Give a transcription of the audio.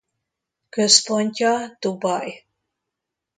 Központja Dubaj.